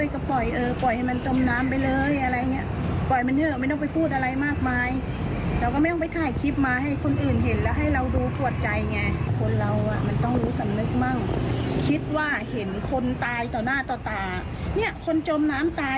คนตายนะคนตายตั้งแต่ของหน้าเรา